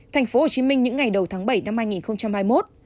tp hcm những ngày đầu tháng bảy năm hai nghìn hai mươi một